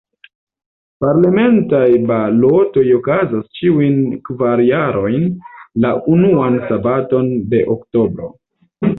Parlamentaj balotoj okazas ĉiujn kvar jarojn, la unuan sabaton de oktobro.